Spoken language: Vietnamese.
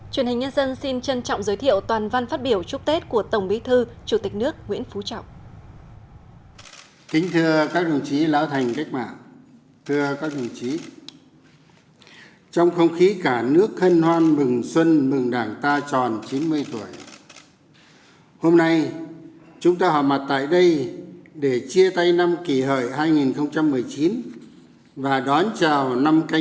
chuyển hình nhân dân xin trân trọng giới thiệu toàn văn phát biểu chúc tết của tổng bí thư chủ tịch nước nguyễn phú trọng